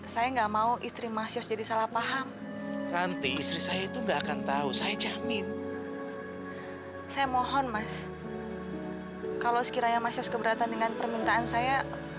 sampai jumpa di video selanjutnya